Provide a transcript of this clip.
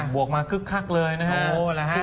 วกมาคึกคักเลยนะครับ